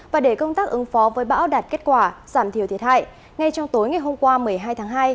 và để công tác ứng phó với bão đạt kết quả giảm thiểu thiệt hại ngay trong tối ngày hôm qua một mươi hai tháng hai